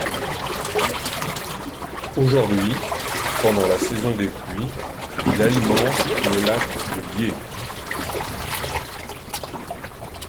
Aujourd'hui, pendant la saison des pluies il alimente le lac de Guiers.